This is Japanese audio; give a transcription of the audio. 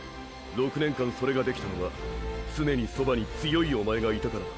６年間それができたのは常にそばに強いおまえがいたからだ。